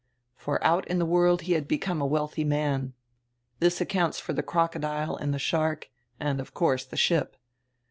For out in tire world he had become a wealthy man. This accounts for the crocodile and tire shark and, of course, tire ship.